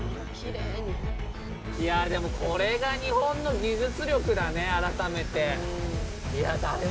いや、でも、これが日本の技術力だね、改めて。